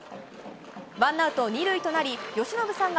ワンアウト２塁となり、由伸さん